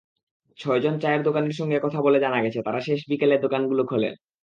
ছয়জন চায়ের দোকানির সঙ্গে কথা বলে জানা গেছে, তাঁরা শেষ বিকেলে দোকানগুলো খোলেন।